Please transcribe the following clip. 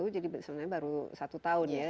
jadi sebenarnya baru satu tahun ya